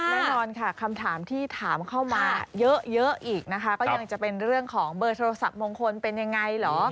แน่นอนค่ะคำถามที่ถามเข้ามาเยอะอีกนะคะก็ยังจะเป็นเรื่องของเบอร์โทรศัพท์มงคลเป็นยังไงเหรอ